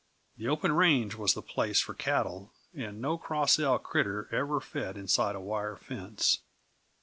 The open range was the place for cattle and no Cross L critter ever fed inside a wire fence.